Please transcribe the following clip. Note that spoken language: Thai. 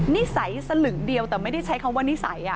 นิสัยสลึงเดียวแต่ไม่ได้ใช้คำว่านิสัย